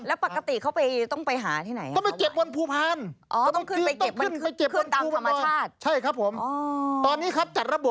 แล้วปกติเขาต้องไปหาที่ไหน